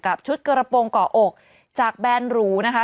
กับชุดกระป๋องเกาะอกจากแบรนด์หรูนะคะ